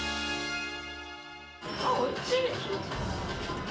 あっ、おいしい。